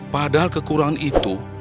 padahal kekurangan itu